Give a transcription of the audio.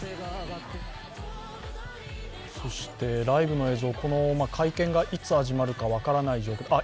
ライブの映像、会見がいつ始まるか分からない状況